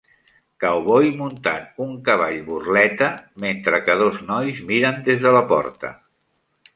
Cowboy muntant un cavall burleta, mentre que dos nois miren des de la porta.